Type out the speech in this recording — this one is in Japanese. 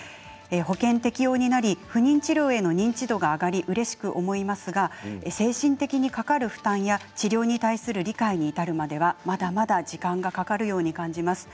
保険適用になり不妊治療への認知度が上がりうれしく思いますが精神的にかかる負担や治療に対する理解に至るまではまだまだ時間がかかるように感じます。